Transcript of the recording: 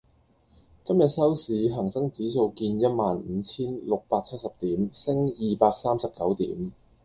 今日收市，恒生指數見一萬五千六百七十點，升二百三十九點